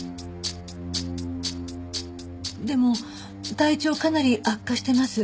でも体調かなり悪化してます。